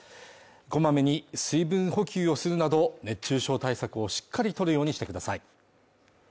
こまめに水分補給をするなど熱中症対策をしっかり取るようにしてください